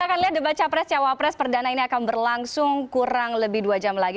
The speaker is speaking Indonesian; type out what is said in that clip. kita akan lihat debat capres cawapres perdana ini akan berlangsung kurang lebih dua jam lagi